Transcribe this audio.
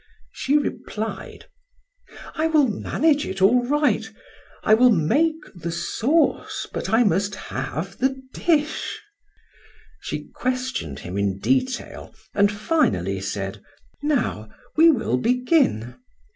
She replied: "I will manage it all right. I will make the sauce but I must have the dish." She questioned him in detail and finally said: "Now, we will begin.